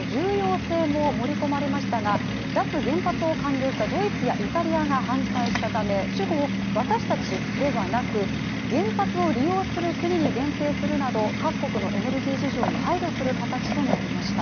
脱原発を完了したドイツやイタリアが反対したため主語を、「私たち」ではなく「原発を利用する国」に限定するなど各国のエネルギー事情に配慮する形となりました。